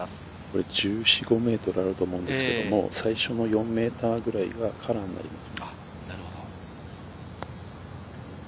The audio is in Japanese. １４１５ｍあると思うんですけれど、最初の４ｍはカラーになります。